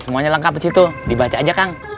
semuanya lengkap disitu dibaca aja kang